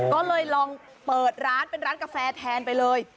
ก็เลยลองเปิดร้านเป็นร้านกาแฟแทนไปเลย